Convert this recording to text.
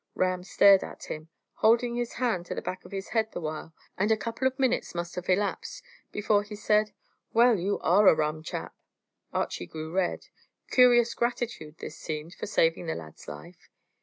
Ram stared at him, holding his hand to the back of his head the while, and a couple of minutes must have elapsed before he said, "Well, you are a rum chap!" Archy grew red. Curious gratitude this seemed for saving the lad's life.